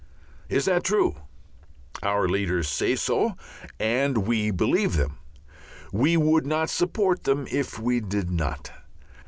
Is that true? Our leaders say so, and we believe them. We would not support them if we did not.